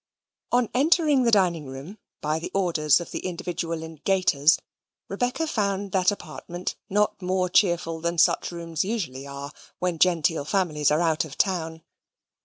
On entering the dining room, by the orders of the individual in gaiters, Rebecca found that apartment not more cheerful than such rooms usually are, when genteel families are out of town.